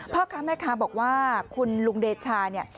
พ่อค้าแม่ค้าบอกว่าคุณลุงเดชาเนี่ย